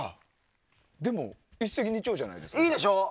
でも、一石二鳥じゃないですか。